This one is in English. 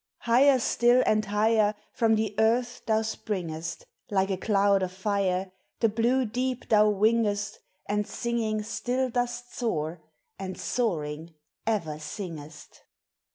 Higher still and higher From the earth thou springost. Like a cloud of tire; The blue deep thou w ingest, And singing still dost soar, and soaring ever singest.